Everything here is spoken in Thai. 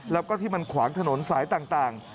แล้วก็ที่มันขวางถนนสายต่าง